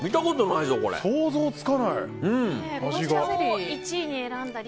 想像つかない、味が。